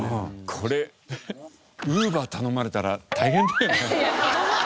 これＵｂｅｒ頼まれたら大変だよね。